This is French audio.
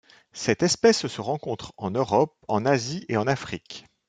Cette espèce se rencontre en Europe, en Asie et en Afrique.